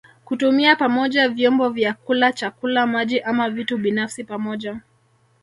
Kutumia pamoja vyombo vya kula chakula maji ama vitu binafsi pamoja